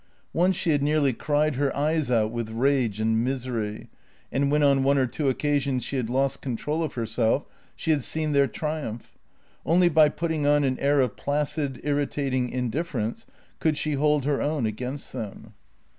Once she had nearly cried her eyes out with rage and misery, and when on one or two occasions she had lost control of herself, she had seen their triumph. Only by putting on an air of placid, irritating indifference could she hold her own against them.